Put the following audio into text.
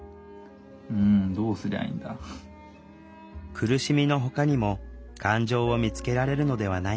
苦しみのほかにも感情を見つけられるのではないか。